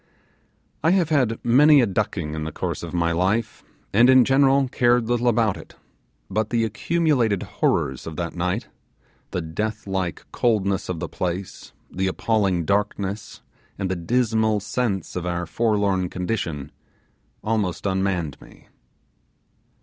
I have had many a ducking in the course of my life, and in general cared little about it; but the accumulated horrors of that night, the deathlike coldness of the place, the appalling darkness and the dismal sense of our forlorn condition, almost unmanned me.